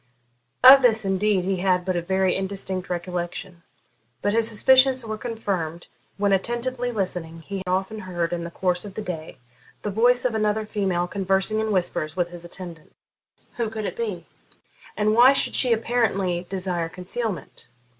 Of this, indeed, he had but a very indistinct recollection, but his suspicions were confirmed when, attentively listening, he often heard, in the course of the day, the voice of another female conversing in whispers with his attendant. Who could it be? And why should she apparently desire concealment?